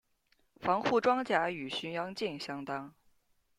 防护装甲与巡洋舰相当。